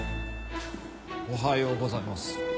おはようございます。